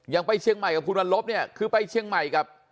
ไปเชียงใหม่กับคุณวันลบเนี่ยคือไปเชียงใหม่กับ